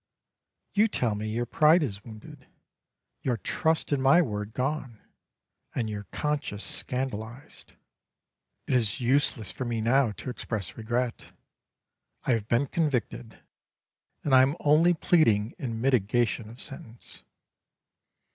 You tell me your pride is wounded, your trust in my word gone, and your conscience scandalised. It is useless for me now to express regret. I have been convicted, and I am only pleading in mitigation of sentence.